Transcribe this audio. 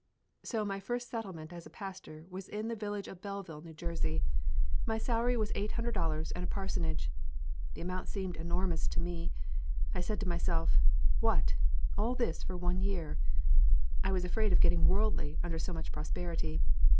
So my first settlement as pastor was in the village of Belleville, N.J. My salary was eight hundred dollars and a parsonage. The amount seemed enormous to me. I said to myself: "What! all this for one year?" I was afraid of getting worldly under so much prosperity!